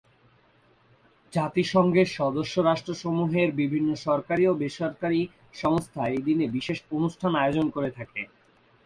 জাতিসংঘের সদস্য রাষ্ট্রসমূহের বিভিন্ন সরকারি ও বেসরকারি সংস্থা এই দিনে বিশেষ অনুষ্ঠান আয়োজন করে থাকে।